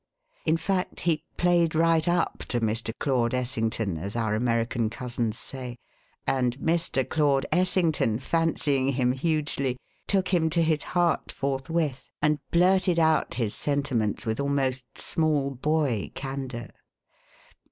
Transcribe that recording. In fact, he "played right up" to Mr. Claude Essington, as our American cousins say; and Mr. Claude Essington, fancying him hugely, took him to his heart forthwith and blurted out his sentiments with almost small boy candour.